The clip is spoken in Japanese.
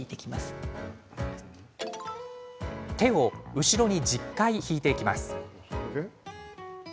手を後ろに１０回、引いていきます。